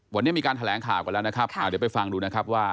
วันนี้มีการแถลงข่าวกันแล้วนะครับเดี๋ยวไปฟังดูนะครับว่า